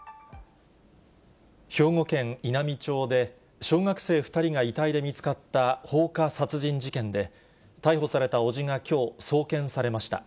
兵庫県稲美町で、小学生２人が遺体で見つかった放火殺人事件で、逮捕された伯父がきょう、送検されました。